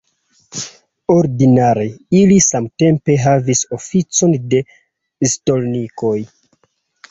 Ordinare ili samtempe havis oficon de stolnikoj.